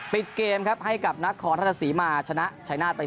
ปิดเกมครับให้กับนครทัศน์ศรีมาชนะชัยนาธิ์ไป๓๑